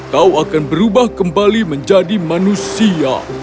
kau akan berubah kembali menjadi manusia